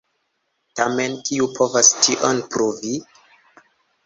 Tamen, kiu povas tion pruvi?